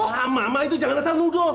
mama mama itu jangan rasa muduh